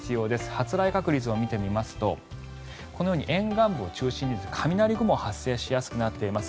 発雷確率を見てみますとこのように沿岸部を中心に雷雲が発生しやすくなっています。